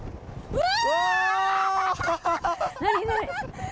うわ！